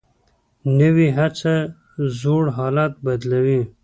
نوې هڅه زوړ حالت بدلوي